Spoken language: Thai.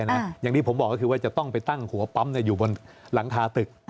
อย่างที่ผมบอกก็คือว่าจะต้องไปตั้งหัวปั๊มอยู่บนหลังคาตึก